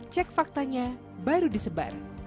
cek faktanya baru disebar